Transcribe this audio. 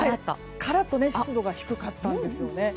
カラッと湿度が低かったんですよね。